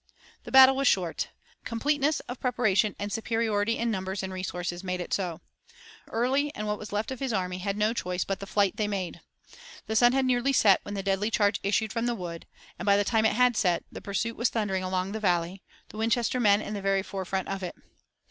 The battle was short. Completeness of preparation and superiority in numbers and resources made it so. Early and what was left of his army had no choice but the flight they made. The sun had nearly set when the deadly charge issued from the wood, and, by the time it had set, the pursuit was thundering along the valley, the Winchester men in the very forefront of it.